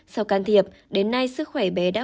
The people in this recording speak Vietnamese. sau can thiệp đến nay sức khỏe bé đã